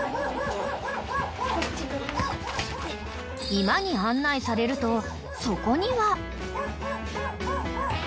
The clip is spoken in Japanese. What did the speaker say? ［居間に案内されるとそこには］